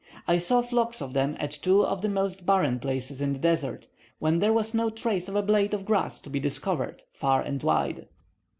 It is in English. I saw flocks of them at two of the most barren places in the desert, where there was no trace of a blade of grass to be discovered, far and wide.